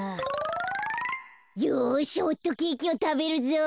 よしホットケーキをたべるぞ。